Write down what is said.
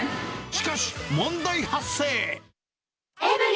しかし、問題発生。